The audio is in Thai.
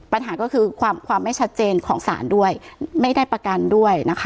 ปัญหาก็คือความความไม่ชัดเจนของศาลด้วยไม่ได้ประกันด้วยนะคะ